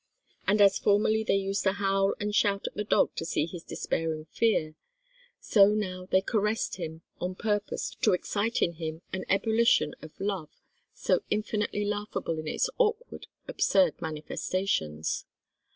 And as formerly they used to howl and shout at the dog to see his despairing fear, so now they caressed him on purpose to excite in him an ebullition of love, so infinitely laughable in its awkward, absurd manifestations.